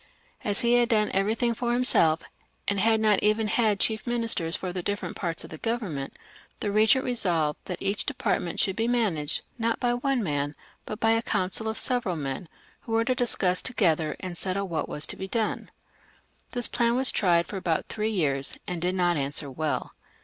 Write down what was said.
As he had done every thing for himself, and had not even had chief ministers for the different parts of the Government, the regent resolved that each different part should be managed not by one man, but by a coimcil of several men, who were to discuss to gether and settle whg t was to be done. This plan was tried for about three years, and did not answer well.